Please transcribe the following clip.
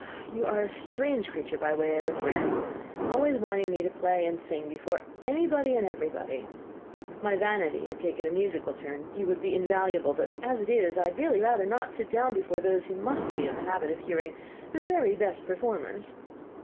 "You are a very strange creature by way of a friend! always wanting me to play and sing before anybody and everybody! If my vanity had taken a musical turn, you would have been invaluable; but as it is, I would really rather not sit down before those who must be in the habit of hearing the very best performers."